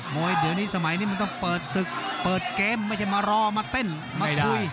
ยเดี๋ยวนี้สมัยนี้มันต้องเปิดศึกเปิดเกมไม่ใช่มารอมาเต้นมาคุย